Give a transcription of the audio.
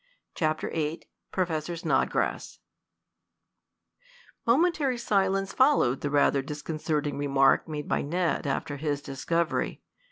CHAPTER VIII PROFESSOR SNODGRASS Momentary silence followed the rather disconcerting remark made by Ned after his discovery.